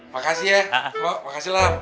makasih ya pak makasih lam